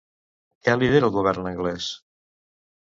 Qui lidera el govern anglès?